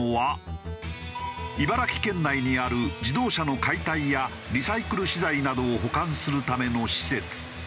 茨城県内にある自動車の解体やリサイクル資材などを保管するための施設。